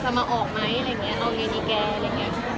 จะมาออกไหมอะไรอย่างเงี้ยเอาเงินไอ้แกอะไรอย่างเงี้ย